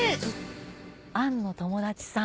アンの友達さん。